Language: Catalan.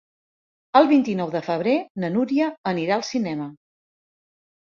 El vint-i-nou de febrer na Núria anirà al cinema.